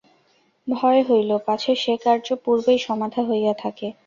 ভয় হইল, পাছে সে-কার্য পূর্বেই সমাধা হইয়া থাকে।